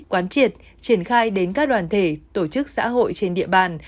quán triệt triển khai đến các đoàn thể tổ chức xã hội trên địa bàn